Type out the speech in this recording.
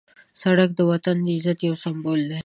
سړک د وطن د عزت یو سمبول دی.